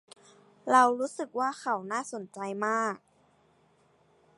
เรารู้สึกว่าเขาน่าสนใจมาก